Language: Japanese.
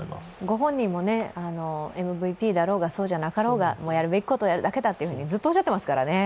ご本人もＭＶＰだろうがそうじゃなかろうがやるべきことはやるだけだとずっとおっしゃってましたもんね。